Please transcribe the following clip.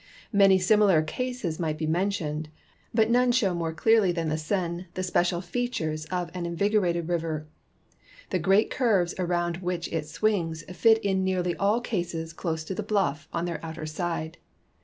Many similar cases might be mentioned, but none show more clearh' than the Seine the special features of an invigorated river. The great curves around which it savings fit in nearly all cases close to the bluff on their outer side.